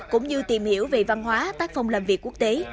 cũng như tìm hiểu về văn hóa tác phong làm việc quốc tế